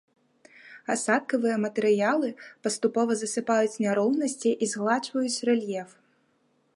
Асадкавыя матэрыялы паступова засыпаюць няроўнасці і згладжваюць рэльеф.